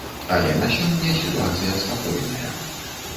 Але на сёння сітуацыя спакойная.